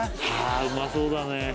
あうまそうだね